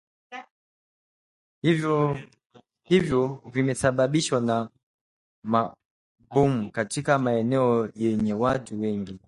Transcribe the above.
hivyo vimesababishwa na mabomu katika maeneo yenye watu wengi